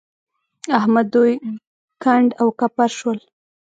احمد دوی کنډ او کپر شول.